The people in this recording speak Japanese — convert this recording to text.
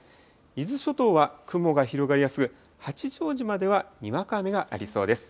伊豆諸島は雲が広がりやすく、八丈島ではにわか雨がありそうです。